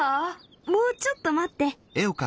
もうちょっと待って。